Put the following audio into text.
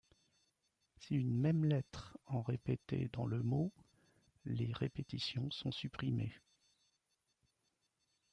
Si une même lettre en répétée dans le mot, les répétitions sont supprimées.